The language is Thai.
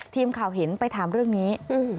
ทีมข่าวเห็นไปถามเรื่องนี้